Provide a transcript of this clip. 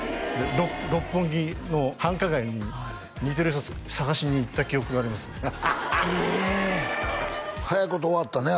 六本木の繁華街に似てる人探しに行った記憶がありますええ早いこと終わったね